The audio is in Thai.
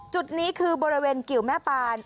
จุดนี้คือบริเวณกิวแม่ปาน